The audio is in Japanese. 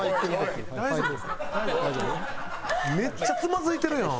めっちゃつまずいてるやん。